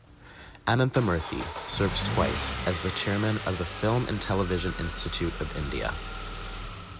Ananthamurthy served twice as the Chairman of the Film and Television Institute of India.